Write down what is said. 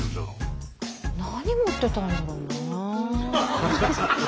何持ってたんだろうな。